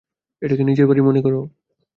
এটাকে নিজের বাড়ি মনে করো।